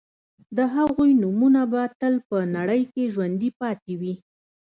د هغوی نومونه به تل په نړۍ کې ژوندي پاتې وي